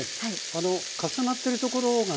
あの重なってるところがね